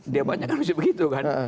dia banyak harus begitu kan